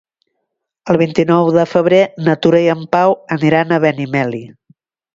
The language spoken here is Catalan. El vint-i-nou de febrer na Tura i en Pau aniran a Benimeli.